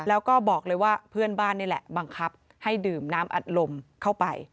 แล้วก็บอกเลยว่าเพื่อนบ้านนี่แหละบังคับให้ดื่มน้ำอัดลมเข้าไป